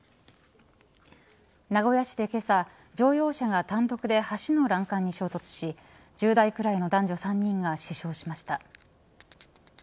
名古屋市で、けさ乗用車が単独で橋の欄干に衝突し１０代くらいの男女３人が死傷しました。